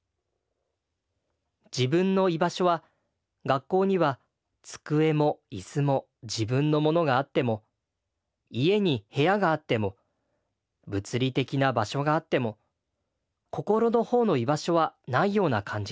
自分の居場所は学校には机も椅子も自分のものがあっても家に部屋があっても物理的な場所があっても心の方の居場所はないような感じがする。